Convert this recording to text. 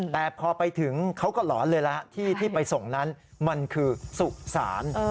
แต่พอไปถึงเขาก็หลอนเลยล่ะที่ที่ไปส่งนั้นมันคือสุสาน